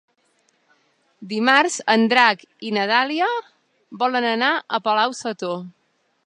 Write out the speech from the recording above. Dimarts en Drac i na Dàlia volen anar a Palau-sator.